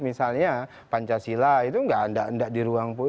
misalnya pancasila itu gak ada di ruang publik